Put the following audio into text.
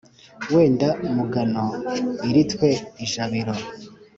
wenda mugano iritwe ijabiro.